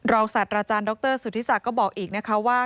รองศัตริย์อาจารย์ดรสุธิศักดิ์ก็บอกอีกว่า